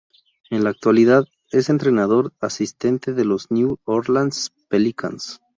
En la actualidad es entrenador asistente de los New Orleans Pelicans.